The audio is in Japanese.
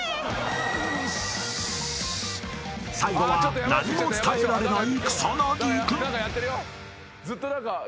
［最後は何も伝えられない］